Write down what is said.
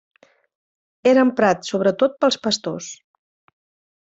Era emprat sobretot pels pastors.